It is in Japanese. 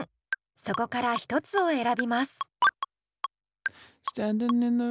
そこから一つを選びます。